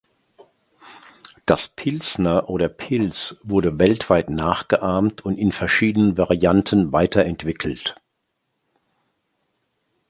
Das "Pilsner" oder "Pils" wurde weltweit nachgeahmt und in verschiedenen Varianten weiterentwickelt.